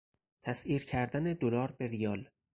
تسعیر کردن دلار به ریال